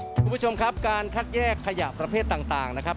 คุณผู้ชมครับการคัดแยกขยะประเภทต่างนะครับ